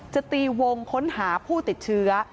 จะตีวงค้นหาผู้ติดเชื้อ